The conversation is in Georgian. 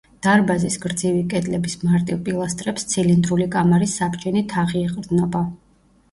დარბაზის გრძივი კედლების მარტივ პილასტრებს ცილინდრული კამარის საბჯენი თაღი ეყრდნობა.